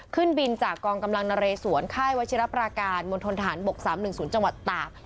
ขึ้นบินจากกองกำลังนเรสวนค่ายวัชิรปราการมณฑนฐานบก๓๑๐จังหวัดตาก